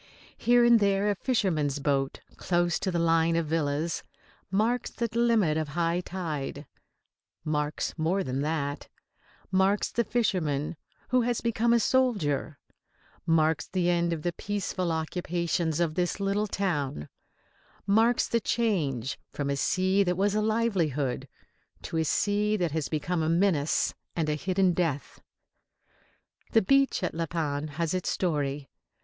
Here and there a fisherman's boat close to the line of villas marks the limit of high tide; marks more than that; marks the fisherman who has become a soldier; marks the end of the peaceful occupations of the little town; marks the change from a sea that was a livelihood to a sea that has become a menace and a hidden death. The beach at La Panne has its story.